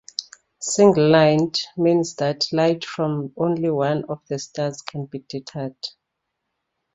"Single-lined" means that light from only one of the stars can be detected.